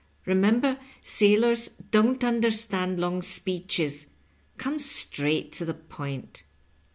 Bemember, sailors don't understand long speeches — come straight to the point."